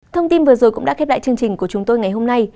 thông tin vừa rồi cũng đã kết đại chương trình của chúng tôi ngày hôm nay